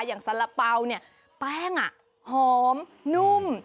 อย่างสันระเป๋าเนี่ยแป้งอ่ะหอมนุ่ม